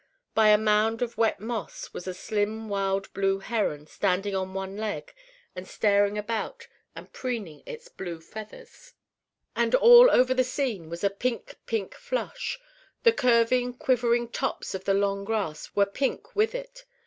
By a mound of wet moss was a slim wild blue heron standing on one leg and staring about and preening its blue feathers. And over all the scene was a Pink Pink Flush. The curving quivering tops of the long grass were Pink with it.